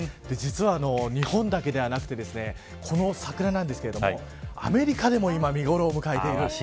実は日本だけではなくてこの桜なんですけれどもアメリカでも今見頃を迎えている。